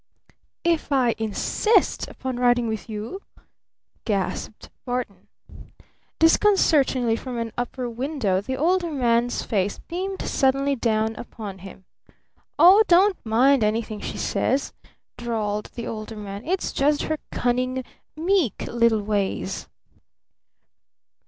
"If I 'insist' upon riding with you?" gasped Barton. Disconcertingly from an upper window the Older Man's face beamed suddenly down upon him. "Oh, don't mind anything she says," drawled the Older Man. "It's just her cunning, 'meek' little ways."